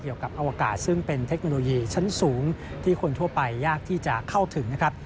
กับอวกาศซึ่งเป็นเทคโนโลยีชั้นสูงที่คนทั่วไปยากที่จะเข้าถึงนะครับ